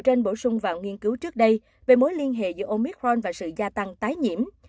trên bổ sung vào nghiên cứu trước đây về mối liên hệ giữa omicron và sự gia tăng tái nhiễm